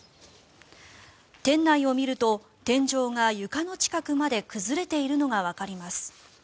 店内を見ると天井が床の近くまで崩れているのがわかります。